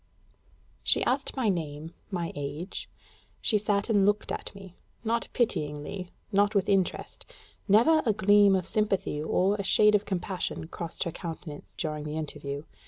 She asked my name, my age; she sat and looked at me not pityingly, not with interest: never a gleam of sympathy or a shade of compassion crossed her countenance during the interview.